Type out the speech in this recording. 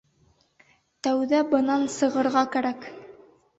Тәүҙә бынан сығырға кәрәк!